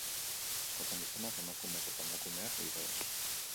Askotan gizonak emakumez eta emakumeak gizonez.